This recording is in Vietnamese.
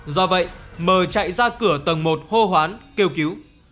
do vậy mờ chạy ra cửa tầng một hô hoán kêu cứu